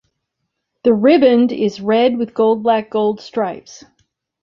The "riband" is red with gold-black-gold stripes.